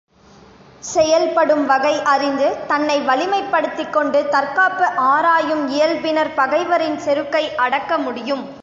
செயல்படும் வகை அறிந்து, தன்னை வலிமைப் படுத்திக்கொண்டு தற்காப்பு ஆராயும் இயல்பினர் பகைவரின் செருக்கை அடக்க முடியும்.